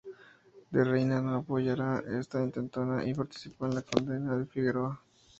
De Reina no apoyara esta intentona y participó en la condena a Figueroa.